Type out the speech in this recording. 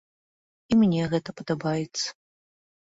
І мне гэта падабаецца.